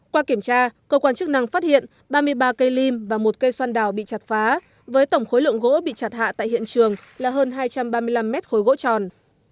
qua kiểm tra cơ quan chức năng phát hiện ba mươi ba cây lim và một cây xoan đào bị chặt phá với tổng khối lượng gỗ bị chặt hạ tại hiện trường là hơn hai trăm ba mươi năm mét khối gỗ tròn